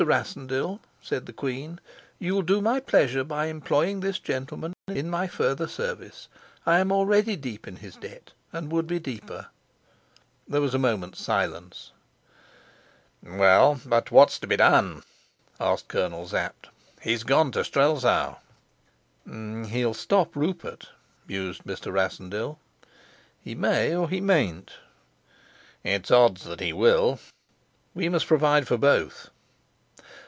Rassendyll," said the queen, "you'll do my pleasure by employing this gentleman in my further service. I am already deep in his debt, and would be deeper." There was a moment's silence. "Well, but what's to be done?" asked Colonel Sapt. "He's gone to Strelsau." "He'll stop Rupert," mused Mr. Rassendyll. "He may or he mayn't." "It's odds that he will." "We must provide for both."